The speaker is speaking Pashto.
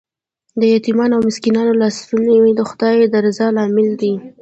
د یتیمانو او مسکینانو لاسنیوی د خدای د رضا لامل دی.